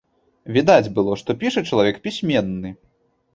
Відаць было, што піша чалавек пісьменны.